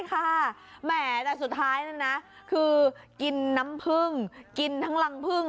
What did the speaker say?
แหมแต่สุดท้ายนะคือกินน้ำผึ้งกินทั้งรังพึ่ง